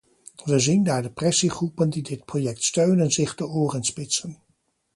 We zien daar de pressiegroepen die dit project steunen zich de oren spitsen.